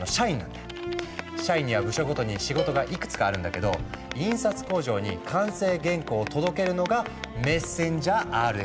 社員には部署ごとに仕事がいくつかあるんだけど印刷工場に完成原稿を届けるのがメッセンジャーＲＮＡ。